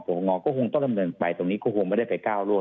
งอก็คงต้องดำเนินไปตรงนี้ก็คงไม่ได้ไปก้าวร่วง